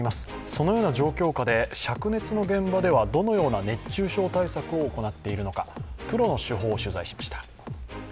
そのような状況下でしゃく熱の現場ではどのような熱中症対策を行っているのかプロの手法を取材しました。